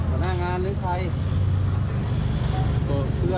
หน้างานหรือใคร